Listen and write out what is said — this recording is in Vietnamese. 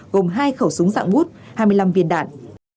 gồm hai khẩu súng dạng bút hai mươi năm viên đạn